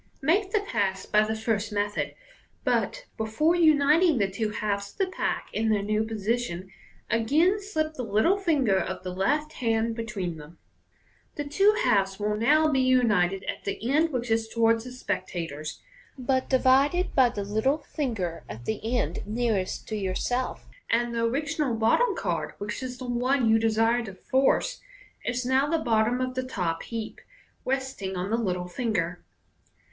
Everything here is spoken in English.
Make the pass by the first method, but, before uniting the two halves of the pack in their new position, again slip the little finger of the left hand between them. (The two halves will now be united at the end which is towards the spectators, but divided by the little finger at the end nearest to yourself 5 and the original bottom card, which is the one you desire to force, is now the bottom of the top heap, resting on the little finger.)